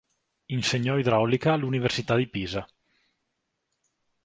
Insegnò idraulica all'università di Pisa.